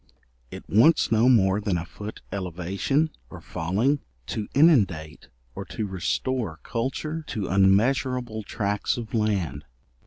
It wants no more than a foot elevation, or falling, to inundate or to restore culture to unmeasurable tracts of land.